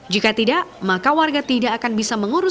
jika tidak maka warga tidak akan bisa mengurus